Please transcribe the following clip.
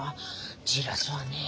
じらすわねぇ。